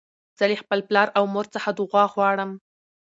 زه له خپل پلار او مور څخه دؤعا غواړم.